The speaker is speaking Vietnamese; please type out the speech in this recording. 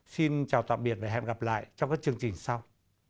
xin chào tạm biệt và hẹn gặp lại trong các chương trình sau